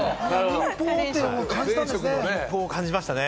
民放って感じたんですね。